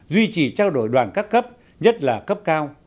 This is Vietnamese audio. duy trì trao đổi đoàn các cấp nhất là cấp cao